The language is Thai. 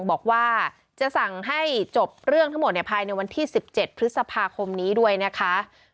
บอกว่าจะสั่งให้จบเรื่องทั้งหมดภายในวันที่๑๗พฤษภาคมนี้ด้วยนะคะ